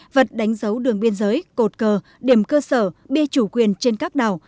vật đánh dấu đường biên giới cột cờ điểm cơ sở bia chủ quyền trên các đảo